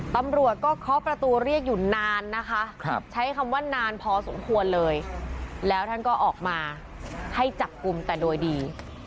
ตำรวจก็เคาะประตูเรียกอยู่นานนะคะใช้คำว่านานพอสมควรเลยแล้วท่านก็ออกมาให้จับกลุ่มแต่โดยดี